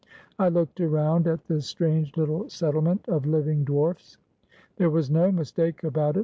I looked around at this strange Httle settlement of living dwarfs. There was no mistake about it.